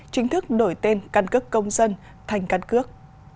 chính thức đổi tên căn cước công dân thành căn cước